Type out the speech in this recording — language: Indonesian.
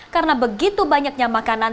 karena begitu banyaknya makanan